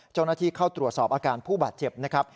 เจ้าหน้าที่เข้าตรวจสอบอาการผู้บาดเจ็บนะครับ